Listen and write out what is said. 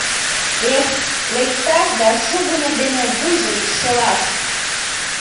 Эх, лекташ да шугыньо дене вуйжо гыч шелаш!